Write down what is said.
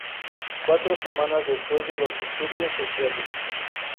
Cuatro semanas después de los disturbios sociales